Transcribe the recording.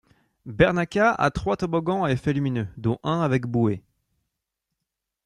Bernaqua a trois toboggans à effets lumineux dont un avec bouées.